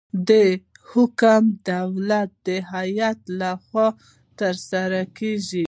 دا د حاکم دولتي هیئت لخوا ترسره کیږي.